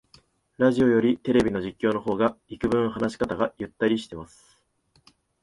ラジオよりテレビの実況の方がいくぶん話し方がゆったりしてます